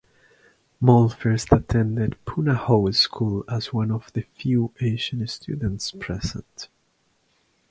Maul first attended Punahou School as one of the few Asian students present.